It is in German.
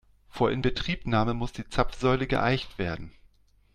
Vor Inbetriebnahme muss die Zapfsäule geeicht werden.